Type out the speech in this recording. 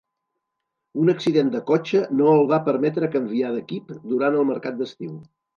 Un accident de cotxe no el va permetre canviar d'equip durant el mercat d'estiu.